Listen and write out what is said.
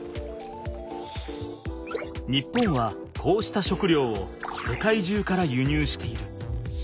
日本はこうした食料を世界中から輸入している。